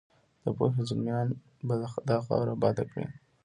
د پوهې زلمیان به دا خاوره اباده کړي.